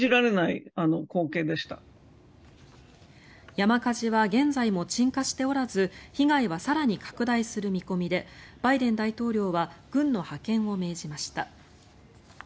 山火事は現在も鎮火しておらず被害は更に拡大する見込みでバイデン大統領は軍の派遣を命じました。